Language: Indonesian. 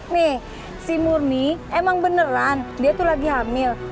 nih si murni emang beneran dia tuh lagi hamil